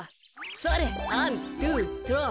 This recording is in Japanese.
それっアンドゥトロワ。